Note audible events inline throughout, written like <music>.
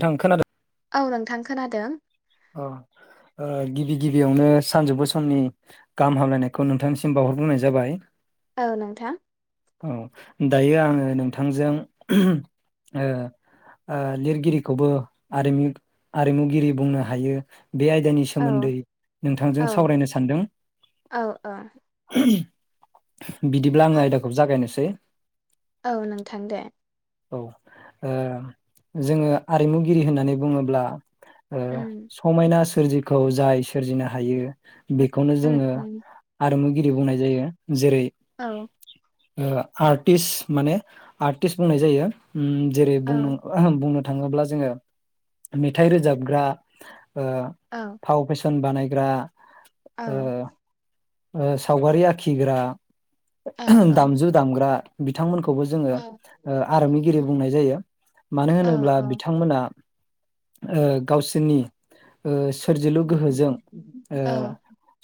नोंथां खोनादों? औ नोंथां खोनादों। अ ओ गिबि गिबियावनो सानजौफु समनि गाहाम हामलायनायखौ नोंथांनिसिम बावहरग्रोनाय जाबाय। औ नोंथां। औ दायो आङो नोंथांजों ओ ओ लिरगिरिखौबो आरिमु-आरिमुगिरि बुंनो हायो। बे आयदानि औ सोमोन्दै औ नोंथांजों सावरायनो सानदों। औ औ बिदिब्ला आङो आयदाखौ जागायनोसै। औ नोंथां दे। औ ओ जोङो आरिमुगिरि होननानै बुङोब्ला ओ उम समायना सोरजिखौ जाय सोरजिनो हायो बेखौनो उम जोङो उम आरिमु गिरि बुंनाय जायो। जेरै औ ओ आर्टिस माने आर्टिस्ट बुंनाय जायो। उम जेरै बुंनो औ बुंनो थाङोब्ला जोङो मेथाइ रोजाबग्रा, ओ औ फाव फेसन बानाय ग्रा, औ ओ ओ सावगारि आखिग्रा, औ दामजु दामग्रा, बिथांमोन खौबो औ जोङो आरोमिगिरि बुंनाय जायो। मानो औ होनोब्ला औ बिथांमोना ओ गावसोरनि ओ सोरजिलु गोहोजों ओ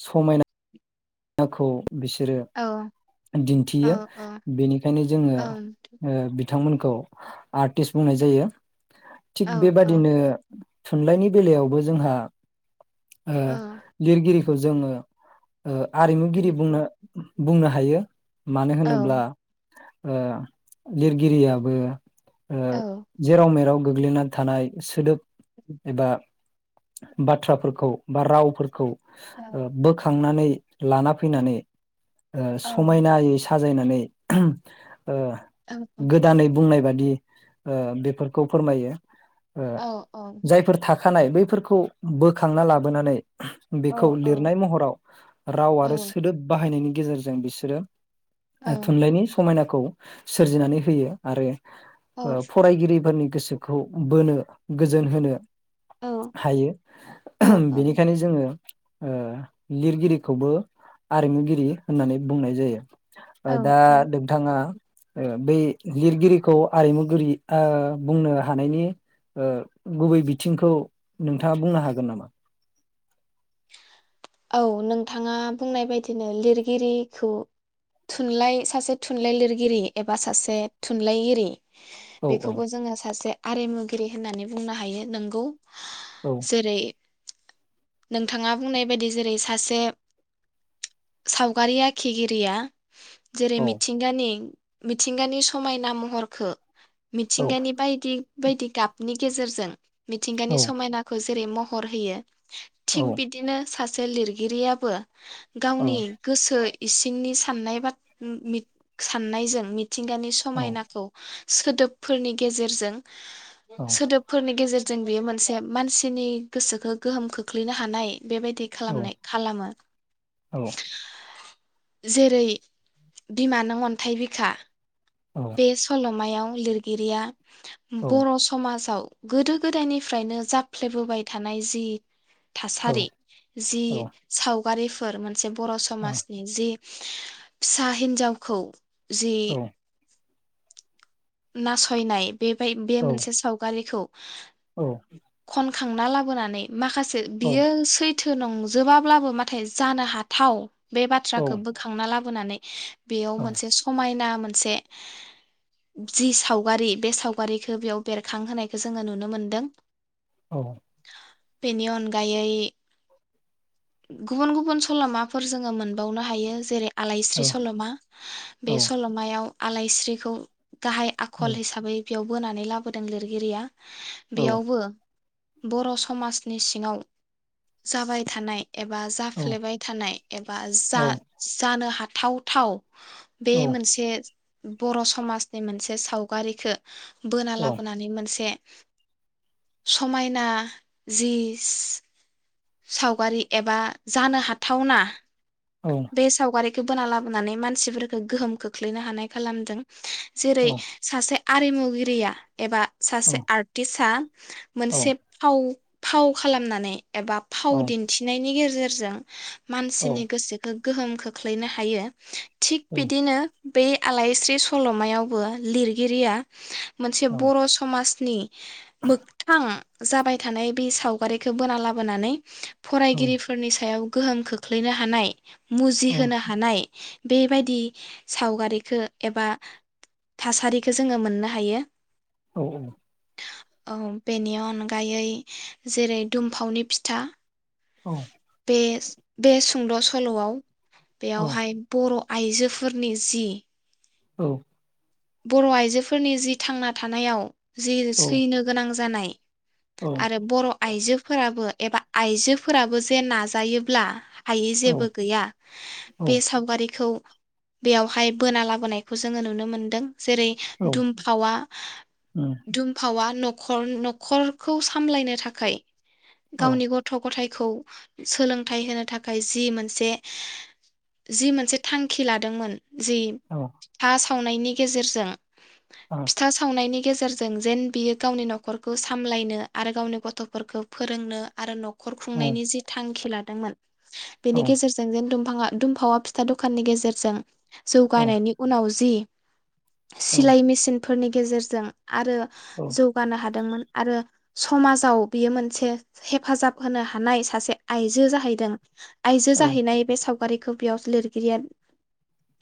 समायना नाखौ बिसोरो औ औ दिन्थियो औ बेनिखायनो जोङो ओ बिथांमोनखौ आर्टिस्ट बुंनाय जायो। थिग बेबादिनो थुनलाइनि बेलायावबो जोंहा आ लिरगिरि खौ जोङो ओ आरिमुगिरि बुंनो बुंनो हायो मानो होनोब्ला ओ लिरगिरियाबो ओ जेराव मेराव गोग्लैनानै थानाय सोदोब एबा। बाथ्राफोरखौ बा रावफोरखौ ओ बोखांनानै लाना फैनानै समायनायै साजायनानै ओ गोदानै बुंनाय बादि बेफोरखौ फोरमायो। जायफोर थाख थाखानाय बैफोरखौ बोखांना लाबोनानै बेखौ लिरनाय महराव राव आरो सोदोब बाहा बाहायनायनि गेजेरजों बिसोरो थुनलाइनि समायना खौ सोरजिनानै होयो आरो। फरायगिरिफोरनि गोसोखौ बोनो गोजोन होनो हायो बेनिखायनो जोङो अ लिरगिरि खौबो आरिमुगिरि होननानै बुंनाय औ जायो। दा औ औ नोंथाङा। बै लिरगिरिखौ आरिमुगिरि बुंनो हानायनि गुबै बिथिंखौ नोंथाङा बुंनो हागोन नामा? औ नोंथाङा बुंनाय बायदिनो लिरगिरिखौ थुनलाइ सासे थुनलाइ लिरगिरि एबा सासे थुनलाइगिरि औ औ बेखौबो जोङो सासे आरिमुगिरि होननानै बुंनो हायो नोंगौ! औ जेरै नोंथाङा बुंनाय बायदि जेरै सासे सावगारि आखिगिरिया जेरै मिथिंगानि मिथिंगानि समायना महरखो औ मिथिंगनि बायदि बायदि गाबनि गेजेरजों औ मिथिंगानि समायनाखौ जेरै महर होयो औ थिग बिदिनो सा से लिरगिरियाबो औ गावनि गोसो इसिंनि साननाय बा मि साननायजों मि थिंगानि समायनाखौ सोदोबफोरनि गेजेरजों औ सोदोबफोरनि गेजेर जों बेयो मोनसे मानसिनि गोसोखौ गोहोम खोख्लैनो हानाय बेबायदि औ खालामनाय खालामो। औ जेरै बिमा नों अन्थाइ बिखा औ बे सल'मायाव लिरगिरिया बर' औ समाजाव गोदो गोदायनिफ्रायनो जाफ्लेबोबाय थानाय जि थासारि जि साव गारिफोर मोनसे बर' समाजनि जि फिसा हिन्जावखौ जे औ नासयनाय बेबाय बे मोनसे सावगारिखौ औ। खनखांना लाबोनानै माखासे बियो सैथ थो नंजोबाब्लाबो माथाय जानो हाथाव। बे बाथ्राखो बोखांना लाबो बोनानै बेयाव मोनसे समायना मो मोनसे जि सावगारि बे सावगारिखो बेयाव बेरखांहोनायखो जोङो नुनो मोन्दों। औ। बेनि अनगायै गुबुन गुबुन सल'माफोर जोङो मोनबावनो हायो जेरै आलायस्रि सल'मा उम औ आ औ बे सल'मायाव। आलायस्रिखौ गाहाय आखल हिसाबै बेयाव बोनानै लाबोदों लिरगिरिया। बेयावबो बर' समाजनि सिङाव जाबाय थानाय एबा जाफ्लेबाय थानाय एबा जा जानो हा थाव थाव बे मोनसे बर' समाज बे मोनसे सावगारिखो बोना लाबोनानै मोनसे समायना जि सावगारि एबा जानो हाथावना बे सावगारि खो बोना लाबोनानै मानसिफोरखो गोहोम खोख्लैनो हानाय खालामदों। जेरै सासे आरिमुगिरिया एबा सासे आर्टिस आ मोनसे फाव फाव खालामनानै एबा फाव दिन्थिनायनि गेजे जेरजों औ मानसिनि गोसोखो गोहोम खोख्लैनो हायो थिग बिदिनो बे आलायस्रि सल'मायावबो लिरगिरिया मोनसे बर' समाज नि मोगथां जाबाय थानाय बे सावगारिखो बोना लाब बोनानै फरायगिरिफोरनि सायाव गोहोम खोख्लैनो हानाय मुजिहोनो हानाय बेबायदि सावगारिखो एबा थासारिखो जोङो मोननो हायो औ औ औ बेनि अनगायै जेरै दुमफावनि फिथा औ बे बे सुंद' सल'आव बेयावहाय बर' आइजोफोरनि जि औ बर' आइजोफोरनि जि थांना थानायाव जि सैनो गोनां जानाय आरो बर' आइजोफोराबो एबा आइजोफोराबो जे नाजायोब्ला हायै जेबो गैया बे सावगारिखौ बेयावहाय बोना लाबोनायखौ जोङो नुनो मोनदों। जेरै दुमफावआ दुमफावआ न' खर न'खरखौ सामलायनो थाखाय गावनि गथ' गथाय खौ सोलोंथाइ होनो थाखाय जि मोनसे जि मोनसे थांखि लादोंमोन। जि फास्त खावनायनि गेजेरजों फिथा सावनायनि गेजेरजों जेन बियो गावनि न'खरखौ सामलायनो आरो गावनि गथ'फोरखौ फोरोंनो आरो न' खर खुंनायनि जि थांखि लादो दोंमोन बेनि गेजेरजों जेन दफाङा दुमफावा फिथा दखाननि गेजेरजों जौगानायनि उनाव जि सिलाइ मेसिन फोरनि गेजेरजों आरो जौगानो हादोंमोन आरो समाजाव बियो मोनसे हेफाजाब होनो हानाय सासे आइजो जाहैदों आइजो जाहैनाय बे सावगारि बेयाव लिरगिरिया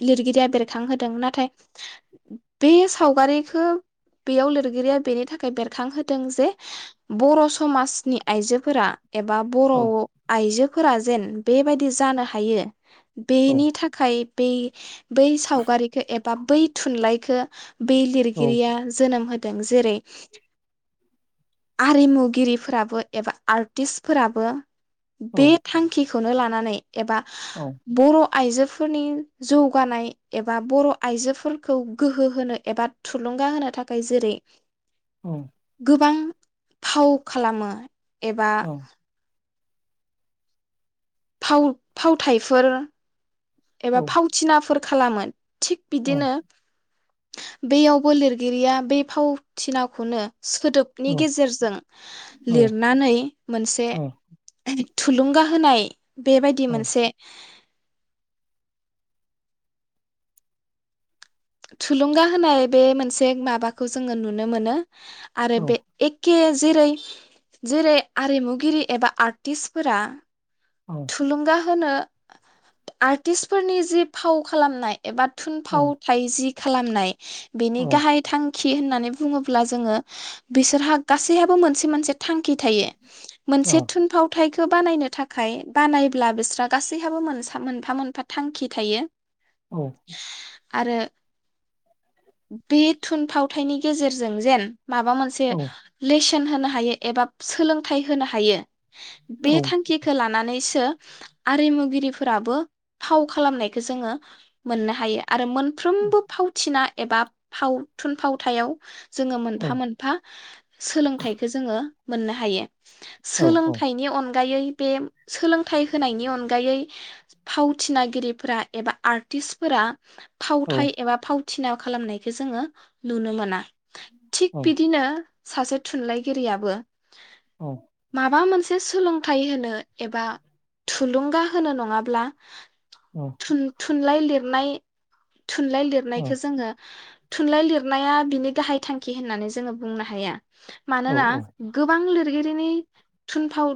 लिरगिरिया बेरखांहोदों नाथाय बे सावगारिखौ बेयाव लिरगिरिया बेनि थाखाय बेरखांहोदों जे बर' समाजनि आइजोफोरा एबा बर' आइजो फोरा जेन बेबायदि जानो हायो बेनि थाखाय बै बै सावगारिखो एबा बै थुनलाइखो बे औ लिरगिरिया जोनोम होद दों जेरै आरिमुगिरिफोराबो एबा आर्टिसफोराबो औ बे थांखि खौनो लानानै एबा औ बर' आइजोफोरनि जौगानाय एबा बर' आइजोफोरखौ गोहो होनो एबा थुलुंगा होनो थाखाय जेरै औ गोबां फाव खालामो एबा औ फाव फावथाइफोर एबा औ फावथिनाफोर खालामो थिग औ बिदिनो बेयावबो लिरगिरिया बे फावथिनाखौनो औ सोदोबनि गेजेरजों औ लिरनानै मोनसे औ थुलुंगा होनाय बेबायदि औ मोनसे थुलुंगा होनाय बे मोनसे माबाखौ जोङो नुनो मोनो आरो औ बे एख खे जेरै जेरै आरिमुगिरि एबा आर्टिस्टफोरा औ थुलुंगा होनो आर्टिस्टफोरनि जि फाव खालामनाय एबा औ थुनफाव थाइजि खालामनाय बेनि औ गाहाय थां खि होननानै बुङोब्ला जोङो बिसोरहा गासैहाबो मोनसे मोनसे थांखि थायो मोनसे थुनफावथाय ख खो बानायनो थाखाय बानायब्ला बिस्रा गासैहाबो मोनस सान मोनफा मोनफा थांखि थायो औ। आरो बे थुनफावथायनि गेजेरजों जेन माबा मोनसे लेस सन होनो हायो एबा सोलोंथाइ होनो हायो बे थांखिखौ लानानै आरिमुगिरिफोराबो फाव खालामनायखौ जोङो मोननो हायो। आरो मोनफ्रोमबो फावथिना एबा फाव थुन फावथायाव जोङो मोनफा मोनफा सोलोंथाइखौ जोङो मोननो हायो‌। औ सोलोंथाइनि अनगा गायै बे सोलों फोथाय होनायनि अनगायै फावथिनागिरिफोरा एबा आर्टिस्टफोरा फावथाय एबा फाव थिना खालामनायखौ जोङो नुनो मोना। थिग औ बिदिनो सासे थुनलाइगिरियाबो माबा मोनसे एसे सोलोंथाइ होनो एबा थुलुंगा होनो नङाब्ला औ थुन थु थुनलाइ लिरनाय थुनलाइ लिरनायखौ जोङो थुनलाइ लिरनाया बिनि गाहाय थांखि होननानै जोङो बुंनो हाया। मानोना गोबां लिर गिरिनि थुनफाव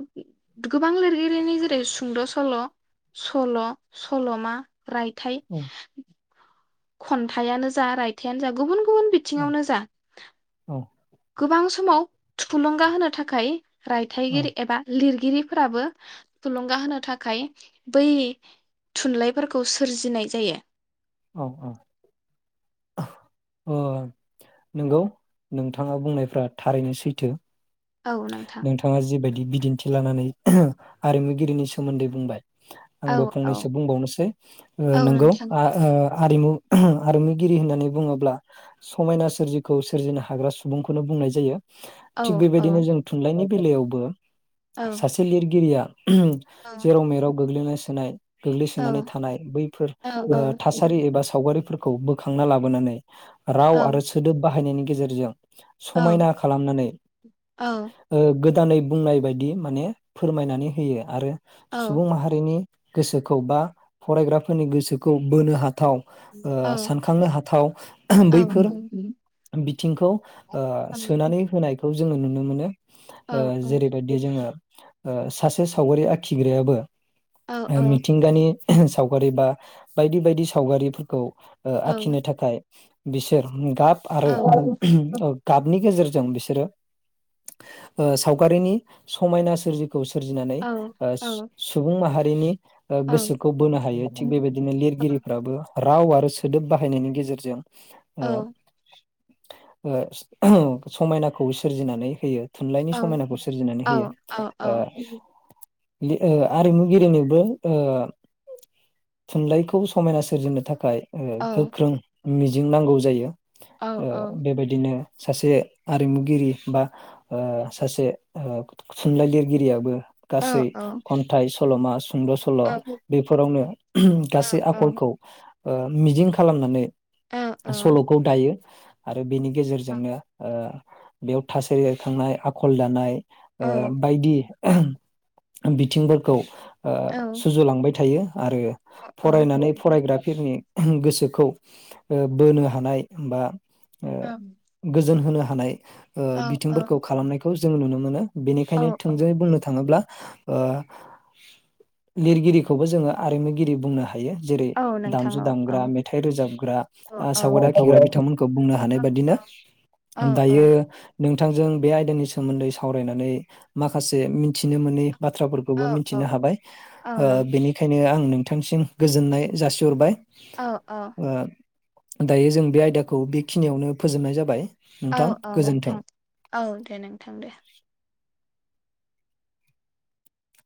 गोबां लिरगिरिनि सुंद' सल', सल', सल'मा रायथाइ खन्थाइआनो जा रायथाइआनो जा गुबुन गुबुन बिथिङावनो जा गोबां समाव थुलुंगा होनो थाखाय रायथाइगिरि एबा लिर गिरिफोराबो थुलुंगा होनो थाखाय बै थुनलाइफोरखौ सोरजिनाय जायो। औ औ ओ नंगौ नोंथाङा बुंनायफ्रा थारैनो सैथो। औ नोंथां नोंथाङा जिबायदि बिदिन्थि लानानै आरिमुगिरिनि सोमोन्दै बुंबाय औ आंबो औ फंनैसो बुंबावनोसै ओ औ नंगौ नोंथां आ ओ आरिमु आरिमुगिरि होननानै बुङोब्ला समायना सोरजिखौ सोरजिनो हाग्रा सुबुंखौनो बुंनाय जायो। औ थिग औ बेबायदिनो जों थुनलाइनि बेलायावबो औ सासे लिरगिरिया <unintelligible> जेराव मेराव गोग्लैना सोनाय औ गोग्लैसोनानै थानाय बैफोर ओ <unintelligible> सारि एबा सावगारिफोर खौ बोखांना लाबोनानै राव औ आरो सोदोब बाहायनायनि गेजेरजों समायना खालामनानै औ ओ गो दा नै बुंनाय बायदि माने फोरमायनानै होयो आरो सुबुं माहारिनि गोसोखौ बा फरायग्राफोरनि गोसोखौ बोनो हाथाव ओ सानखांनो हाथाव औ बैफोर औ बि थिंखौ ओ सोनानै होनायखौ जोङो नुनो मोनो। ओ जेरैबायदि जोङो ओ सासे सावगारि आखिग्रायाबो ओ मिथिंगानि सावगारि बा बायदि बायदि सावगारिफोरखौ ओ आखिनो थाखाय बिसोर गाब औ आरो औ गाबनि गेजेरजों बिसोरो ओ सावगारिनि समायना सोरजि खौ सोरजिनानै ओ सुबुं माहारिनि ओ गोसोखौ बोनो हायो थिग बेबादि दिनो लिरगिरिफ्राबो राव आरो सोदोब बाहायनायनि गेजेरजों ओ औ ओ समायनाखौ सोरजिनानै होयो। थुनलाइनि समायनाखौ सोरजिनानै होयो। औ औ ओ आरिमुगिरिनोबो ओ थुनलाइखौ समायना सोरजिनो थाखाय ओ औ गोख्रों मिजिं नांगौ जायो। औ ओ औ बेबायदिनो सासे आरिमुगिरि बा ओ सासे ओ थुनलाइ लिरगिरियाबो औ गासै औ खन्थाइ सलमा स सुंद सल औ बेफोरावनो गासै औ आखलखौ ओ मिजिं खालामनानै औ सलखौ दायो। आरो बेनि गेजेरजोंनो ओ बेयाव थासारि एरखांनाय आखल दानाय ओ बायदि बिथिंफोरखौ ओ सुजुलांबाय थायो। आरो औ फरायनानै फरायग्राफोरनि गोस बेखौ बोनो हानाय बा गोजोन होनो थानाय ओ बिथिंफोरखौ खालामनायखौ जोंङ नुनो मोनो। बेनिखायनो थोंजोङै बुंनो थाङोब्ला ओ लिरगिरिखौबो जोङो आरिमु गिरि बुंनो हा यो जेरै औ नोंथां दामजु औ दामग्रा मेथाइ रोजाबग्रा नोंथां सावगारि आखिग्रा बिथांमोनखौ बुंनो हानाय बाददिनो औ दायो नों बिथांजों बे आयदानि सोमोन्दै सावरायनानै माखासे मिथिनो मोनै औ बाथ्राफोरखौबो औ मिथिनो हाबाय औ नों- बेनिखायनो आं नों बिथांसिम गोजोननाय जासिहरबाय। औ औ ओ दायो जों बे आयदाखौ बेखिनियावनो फोजोबनाय जाबाय औ नोंथां औ गोजोन्थों। नोंथां औ दे नोंथां दे